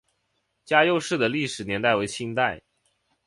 嘉佑寺的历史年代为清代。